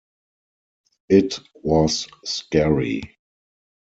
It was scary.